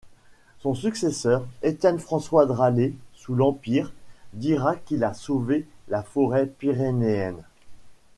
Son successeur, Étienne-François Dralet, sous l'Empire, dira qu'il a sauvé la forêt pyrénéenne.